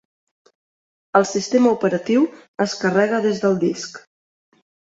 El sistema operatiu es carrega des del disc.